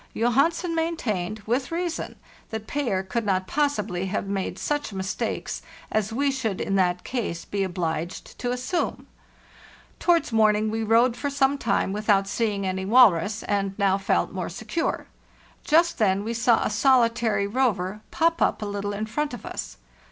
Johansen maintained, with reason, that Payer could not possibly have made such mistakes as we should in that case be obliged to assume. Towards morning we rowed for some time without seeing any walrus, and now felt more secure. Just then we saw a solitary rover pop up a little in front of us.